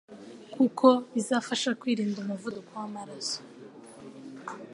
kuko bizafasha kwirinda umuvuduko w'amaraso,